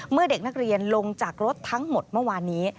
เมื่อเด็กนักเรียนลงจากรถทั้งหมดเมื่อวานนี้